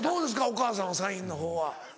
お母さんはサインのほうは。